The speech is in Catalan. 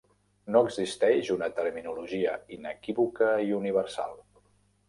No existeix una terminologia inequívoca i universal.